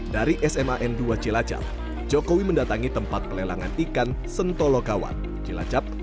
dari sma n dua cilacap jokowi mendatangi tempat pelelangan ikan sentolokawan cilacap